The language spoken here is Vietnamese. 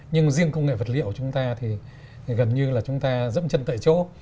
nhưng riêng công nghệ vật liệu chúng ta thì gần như là chúng ta dẫm chân tại chỗ